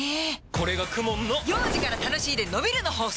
これがＫＵＭＯＮの幼児から楽しいでのびるの法則！